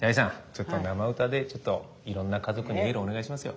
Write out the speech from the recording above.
ちょっと生歌でいろんな家族にエールをお願いしますよ。